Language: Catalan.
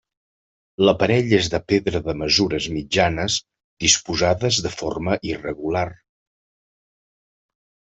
L'aparell és de pedra de mesures mitjanes disposades de forma irregular.